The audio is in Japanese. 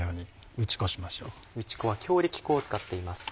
打ち粉は強力粉を使っています。